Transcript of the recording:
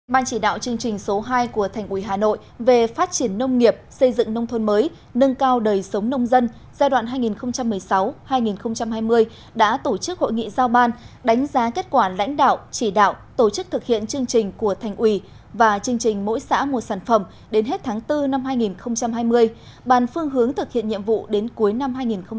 ban chỉ đạo chương trình số hai của thành ủy hà nội về phát triển nông nghiệp xây dựng nông thôn mới nâng cao đời sống nông dân giai đoạn hai nghìn một mươi sáu hai nghìn hai mươi đã tổ chức hội nghị giao ban đánh giá kết quả lãnh đạo chỉ đạo tổ chức thực hiện chương trình của thành ủy và chương trình mỗi xã một sản phẩm đến hết tháng bốn năm hai nghìn hai mươi bàn phương hướng thực hiện nhiệm vụ đến cuối năm hai nghìn hai mươi